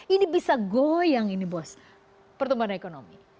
ini bisa goyang ini bos pertumbuhan ekonomi